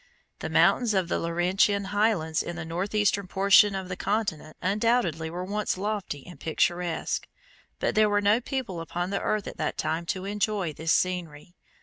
The mountains of the Laurentian highlands in the northeastern portion of the continent undoubtedly were once lofty and picturesque, but there were no people upon the earth at that time to enjoy this scenery.